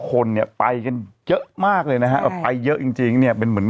คนเนี่ยไปกันเยอะมากเลยนะฮะไปเยอะจริงจริงเนี่ยเป็นเหมือน